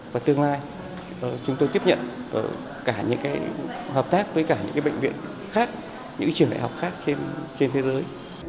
và tương lai chúng tôi tiếp nhận cả những hợp tác với cả những bệnh viện khác những trường đại học khác trên thế giới